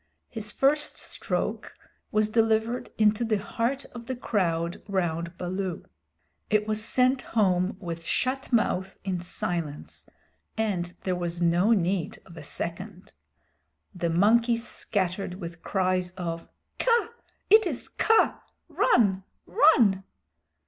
His first stroke was delivered into the heart of the crowd round Baloo. It was sent home with shut mouth in silence, and there was no need of a second. The monkeys scattered with cries of "Kaa! It is Kaa! Run! Run!"